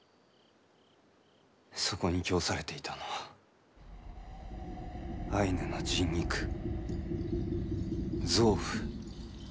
そこに供されていたのはアイヌの人肉臓腑。